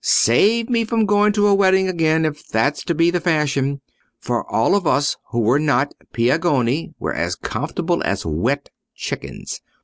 Save me from going to a wedding again, if that's to be the fashion; for all of us who were not Piagnoni were as comfortable as wet chickens.